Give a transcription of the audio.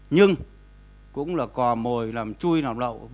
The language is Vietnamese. nhưng cũng là cò mồi làm chui làm đậu